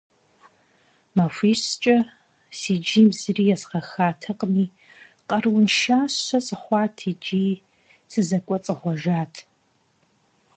МахуищкӀэ си джийм зыри езгъэхатэкъыми, къарууншащэ сыхъуат икӀи сызэкӀуэцӀыгъуэжат.